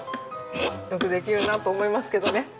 よくできるなと思いますけどね。